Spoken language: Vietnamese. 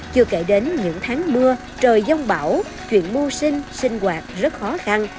chưa kể đến những tháng mưa trời dông bão chuyện mua sinh sinh hoạt rất khó khăn